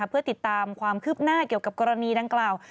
เพื่อติดตามความคืบหน้าเกี่ยวกับกรณีดังกล่าว